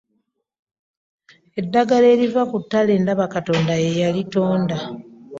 Eddagala eriva ku ttale ndaba Katonda ye yalitonda.